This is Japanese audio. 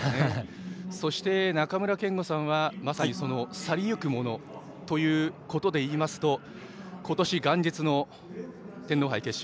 そして、中村憲剛さんはまさに去り行く者ということで言いますと今年元日の天皇杯決勝。